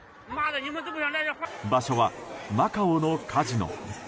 場所はマカオのカジノ。